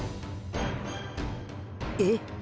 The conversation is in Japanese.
え？